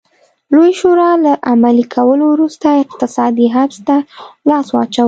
لویې شورا له عملي کولو وروسته اقتصادي حبس ته لاس واچاوه.